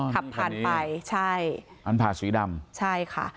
ขับผ่านไปใช่อันผ่าสีดำใช่ค่ะ